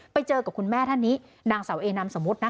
ไปเจอกับคุณแม่ท่านนี้ดังเสาเอนำสมมติ